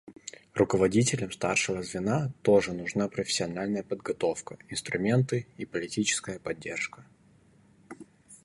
Руководителям старшего звена тоже нужна профессиональная подготовка, инструменты и политическая поддержка.